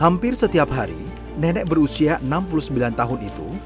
hampir setiap hari nenek berusia enam puluh sembilan tahun itu